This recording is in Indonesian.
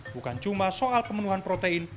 bukan cuma soal pemenuhan protein